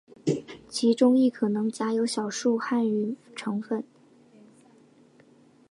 其中亦可能夹有少数汉语成分。